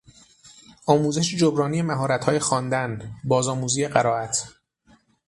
آموزش جبرانی مهارتهای خواندن، بازآموزی قرائت